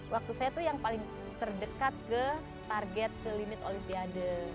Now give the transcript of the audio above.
waktu saya itu yang paling terdekat ke target ke limit olimpiade